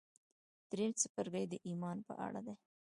درېيم څپرکی د ايمان په اړه دی.